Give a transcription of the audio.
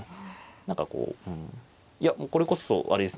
何かこううんこれこそあれですね